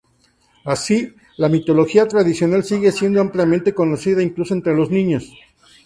Así, la mitología tradicional sigue siendo ampliamente conocida, incluso entre los niños.